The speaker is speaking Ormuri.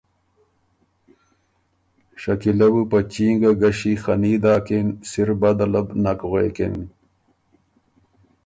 شکیله بُو په چینګه ګݭیخني داکِن سِر بده له بو نک غوېکِن۔